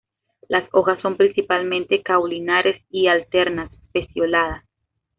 Las hojas son principalmente caulinares y alternas, pecioladas.